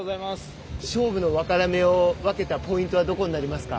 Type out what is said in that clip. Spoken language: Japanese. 勝負の分かれ目を分けたポイントはどこになりますか？